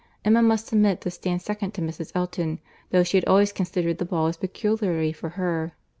Emma must submit to stand second to Mrs. Elton, though she had always considered the ball as peculiarly for her.